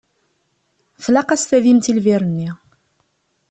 Tlaq-as tadimt i lbir-nni.